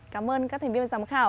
cảm ơn các thành viên bên giám khảo